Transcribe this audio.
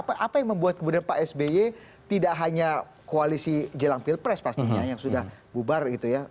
apa yang membuat kemudian pak sby tidak hanya koalisi jelang pilpres pastinya yang sudah bubar gitu ya